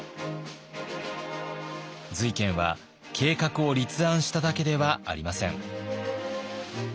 瑞賢は計画を立案しただけではありません。